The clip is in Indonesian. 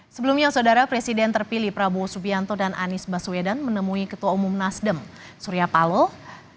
sebelumnya saudara presiden terpilih prabowo subianto dan anies baswedan menemui ketua umum nasdem surya paloh